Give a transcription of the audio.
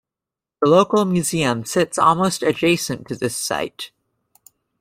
The local museum sits almost adjacent to this site.